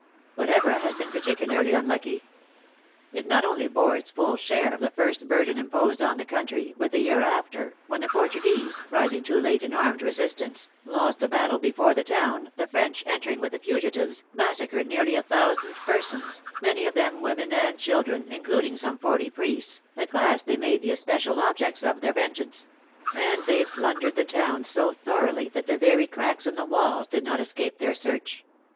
But Evora has been partic ularly unlucky. It not only bore its full share of the THE ACTRESS IN HIGH LIFE. 177 first burden imposed on the country, but the year after, when the Portuguese, rising too late in armed resistance, lost a battle before the town, the French, entering with the fugitives, massacred nearty a thou sand persons, many of them women and children, in cluding some forty priests, a class they made the es pecial objects of their vengeance; and they plundered the town so thoroughly, that the very cracks in the walls did not escape their search.